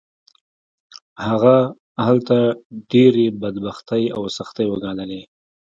هغه هلته ډېرې بدبختۍ او سختۍ وګاللې